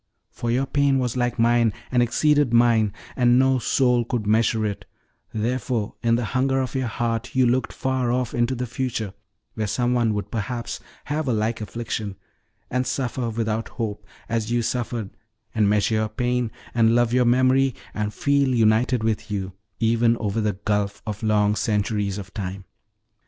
For your pain was like mine, and exceeded mine, and no soul could measure it, therefore in the hunger of your heart you looked far off into the future, where some one would perhaps have a like affliction, and suffer without hope, as you suffered, and measure your pain, and love your memory, and feel united with you, even over the gulf of long centuries of time.